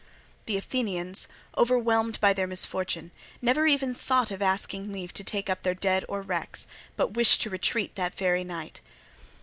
The Athenians, overwhelmed by their misfortune, never even thought of asking leave to take up their dead or wrecks, but wished to retreat that very night.